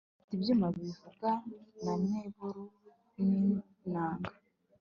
bafite ibyuma bivuga na neberu n'inanga